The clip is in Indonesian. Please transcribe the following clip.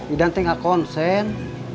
idan te gak konsen